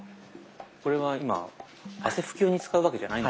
これは今汗拭き用に使うわけじゃないんですね。